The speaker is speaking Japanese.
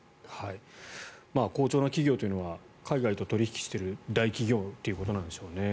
好調な企業というのは海外と取引している大企業ということなんでしょう。